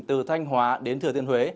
từ thanh hóa đến thừa thiên huế